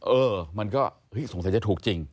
เออมันก็สงสัยจะถูกจริง